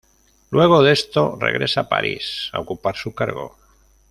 Luego de esto regresa a París a ocupar su cargo.